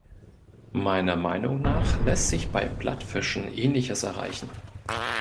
Meiner Meinung nach lässt sich bei Plattfischen Ähnliches erreichen.